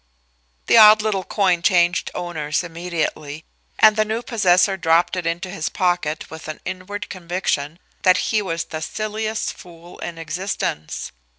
The odd little coin changed owners immediately, and the new possessor dropped it into his pocket with the inward conviction that he was the silliest fool in existence.